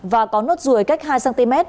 và có nốt ruồi cách hai cm